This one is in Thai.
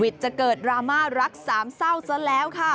จะเกิดดราม่ารักสามเศร้าซะแล้วค่ะ